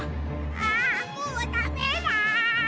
ああもうダメだ！